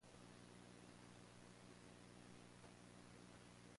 The cam profiles were unchanged.